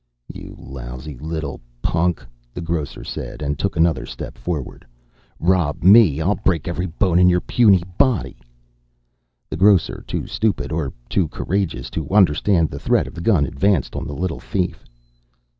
"You lousy little punk," the grocer said, and took another step forward. "Rob me? I'll break every bone in your puny body." The grocer, too stupid or too courageous to understand the threat of the gun, advanced on the little thief.